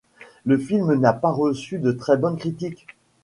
Le film n'a pas reçu de très bonnes critiques.